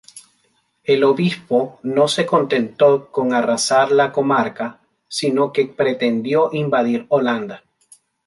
El obispo no se contentó con arrasar la comarca sino que pretendió invadir Holanda.